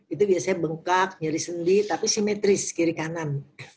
itu biasanya bengkak nyari sendi tapi simetris kiri kanan